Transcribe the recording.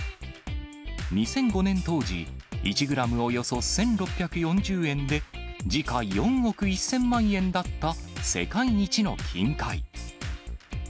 ２００５年当時、１グラムおよそ１６４０円で、時価４億１０００万円だった世界一の金塊。